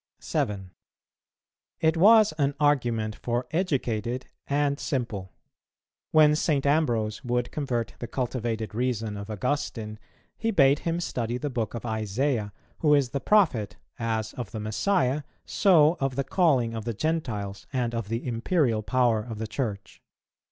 7. It was an argument for educated and simple. When St. Ambrose would convert the cultivated reason of Augustine, he bade him study the book of Isaiah, who is the prophet, as of the Messiah, so of the calling of the Gentiles and of the Imperial power of the Church.